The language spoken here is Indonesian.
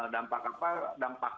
dampak apa dampak